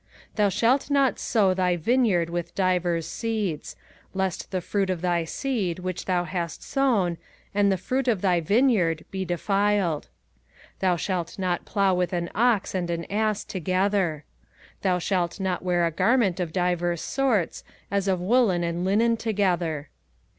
05:022:009 Thou shalt not sow thy vineyard with divers seeds: lest the fruit of thy seed which thou hast sown, and the fruit of thy vineyard, be defiled. 05:022:010 Thou shalt not plow with an ox and an ass together. 05:022:011 Thou shalt not wear a garment of divers sorts, as of woollen and linen together.